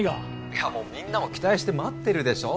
いやもうみんなも期待して待ってるでしょ